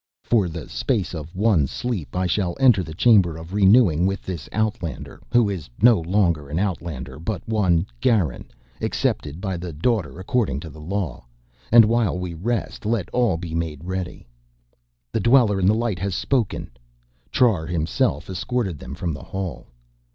"For the space of one sleep I shall enter the Chamber of Renewing with this outlander, who is no longer an outlander but one, Garin, accepted by the Daughter according to the Law. And while we rest let all be made ready...." "The Dweller in the Light has spoken!" Trar himself escorted them from the Hall.